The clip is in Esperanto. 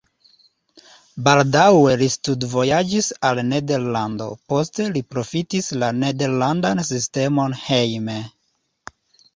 Baldaŭe li studvojaĝis al Nederlando, poste li profitis la nederlandan sistemon hejme.